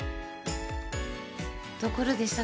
ところで桜。